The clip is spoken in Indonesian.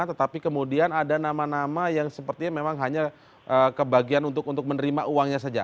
tetapi kemudian ada nama nama yang sepertinya memang hanya kebagian untuk menerima uangnya saja